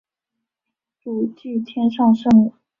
主祀天上圣母。